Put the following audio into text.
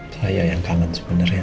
saya yang kangen sebenarnya